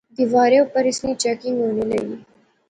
دیواریں اپر اس نی چاکنگ ہونے لغی